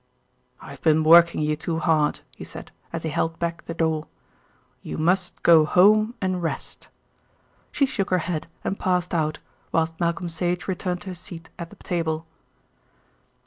"I've been working you too hard," he said, as he held back the door. "You must go home and rest." She shook her head and passed out, whilst Malcolm Sage returned to his seat at the table.